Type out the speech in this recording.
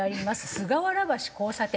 菅原橋交差点。